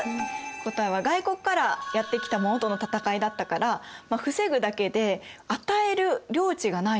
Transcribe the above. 答えは外国からやって来たものとの戦いだったから防ぐだけで与える領地がないよね。